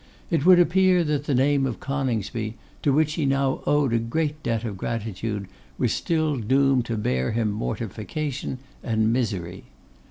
It would appear that the name of Coningsby, to which he now owed a great debt of gratitude, was still doomed to bear him mortification and misery.